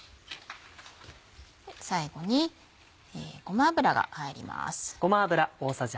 最後にごま油が入ります。